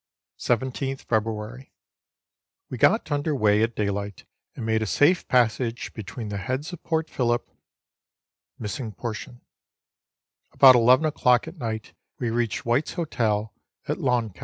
17 th February. We got under weigh at daylight, and made a safe passage between the Heads of Port Phillip about eleven o'clock at night we reached White's Hotel at Launceston.